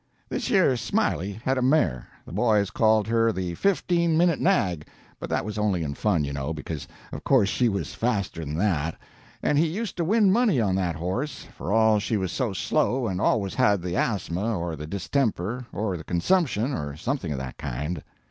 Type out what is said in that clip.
"Thish yer Smiley had a mare the boys called her the fifteen minute nag, but that was only in fun, you know, because of course she was faster than that and he used to win money on that horse, for all she was so slow and always had the asthma, or the distemper, or the consumption, or something of that kind.